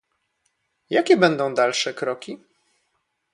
Jakie będą dalsze kroki?